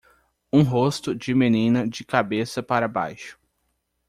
Um rosto de menina de cabeça para baixo.